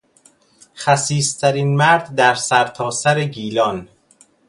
خسیسترین مرد در سرتاسر گیلان